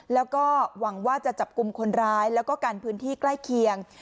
แล้วก็หวังว่าจะจับกลุ่มคนร้ายแล้วก็กันพื้นที่ใกล้เคียง